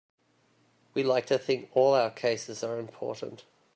We like to think all our cases are important.